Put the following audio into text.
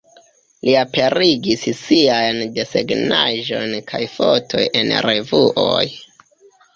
Li aperigis siajn desegnaĵojn kaj fotojn en revuoj.